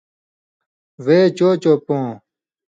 وے چو چو پوں۔